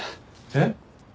えっ？